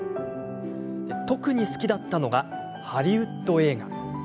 特に好きだったのがハリウッド映画。